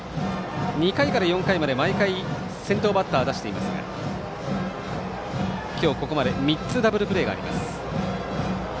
２回から４回まで毎回先頭バッターを出していますが今日ここまで３つダブルプレーがあります。